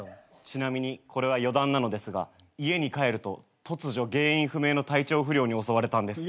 ちなみにこれは余談なのですが家に帰ると突如原因不明の体調不良に襲われたんです。